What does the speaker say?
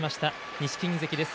錦木関です。